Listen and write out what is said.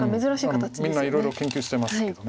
みんないろいろ研究してますけど。